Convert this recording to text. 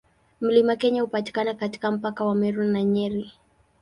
Mlima Kenya hupatikana katika mpaka wa Meru na Nyeri.